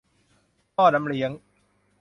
ท่อน้ำเลี้ยง !